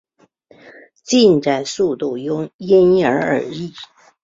进展速度因人而异。